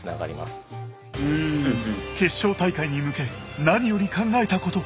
決勝大会に向け何より考えたこと。